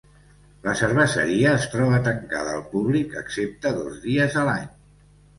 La cerveseria es troba tancada al públic excepte dos dies a l'any.